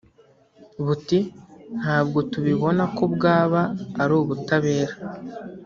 Buti “ Ntabwo tubibona ko bwaba ari ubutabera